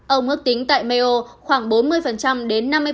ông ước tính tại maio khoảng bốn mươi đến năm mươi